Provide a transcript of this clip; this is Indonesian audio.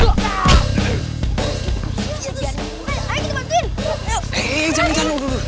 eh eh eh jangan jangan